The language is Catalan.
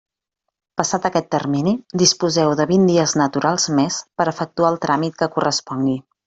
Passat aquest termini disposeu de vint dies naturals més per efectuar el tràmit que correspongui.